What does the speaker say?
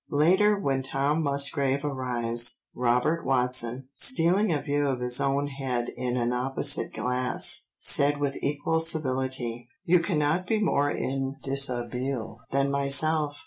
Later, when Tom Musgrave arrives, "Robert Watson, stealing a view of his own head in an opposite glass, said with equal civility, 'You cannot be more in deshabille than myself.